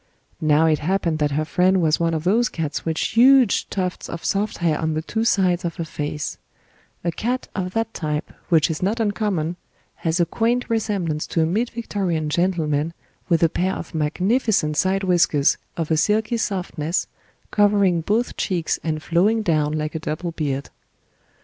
Now it happened that her friend was one of those cats with huge tufts of soft hair on the two sides of her face; a cat of that type, which is not uncommon, has a quaint resemblance to a Mid Victorian gentleman with a pair of magnificent side whiskers of a silky softness covering both cheeks and flowing down like a double beard.